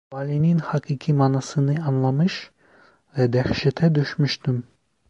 Sualinin hakiki manasını anlamış ve dehşete düşmüştüm.